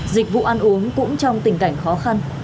dịch vụ ăn uống cũng trong tình cảnh khó khăn